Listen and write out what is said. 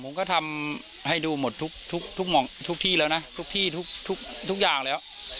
ผมก็ทำให้ดูหมดทุกที่แล้วนะทุกที่ทุกอย่างแล้ว